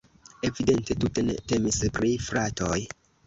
Evidente tute ne temis pri fratoj.